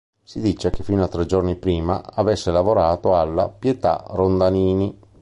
Si dice che fino a tre giorni prima avesse lavorato alla "Pietà Rondanini".